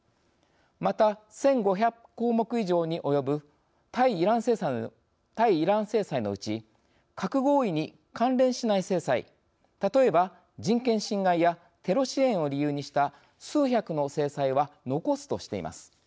また、１５００項目以上に及ぶ対イラン制裁のうち核合意に関連しない制裁例えば、人権侵害やテロ支援を理由にした数百の制裁は残すとしています。